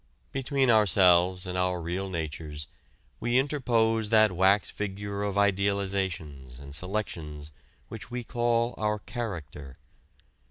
Between ourselves and our real natures we interpose that wax figure of idealizations and selections which we call our character.